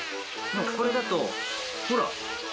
これだとほら。